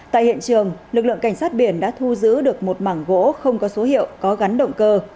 tại hiện trường lực lượng cảnh sát biển đã thu giữ được một mảng gỗ không có số hiệu có gắn động cơ